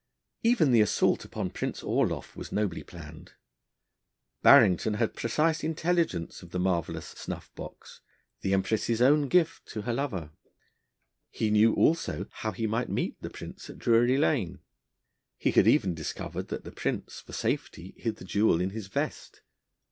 Even the assault upon Prince Orloff was nobly planned. Barrington had precise intelligence of the marvellous snuff box the Empress's own gift to her lover; he knew also how he might meet the Prince at Drury Lane; he had even discovered that the Prince for safety hid the jewel in his vest.